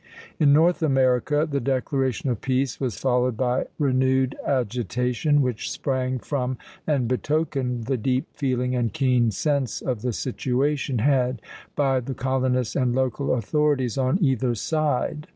In North America, the declaration of peace was followed by renewed agitation, which sprang from and betokened the deep feeling and keen sense of the situation had by the colonists and local authorities on either side.